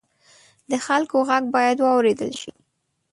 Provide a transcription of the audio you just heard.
د خلکو غږ باید واورېدل شي.